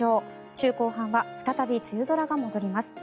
週後半は再び梅雨空が戻ります。